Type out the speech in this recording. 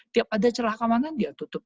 tiap ada celaka amanan dia tutup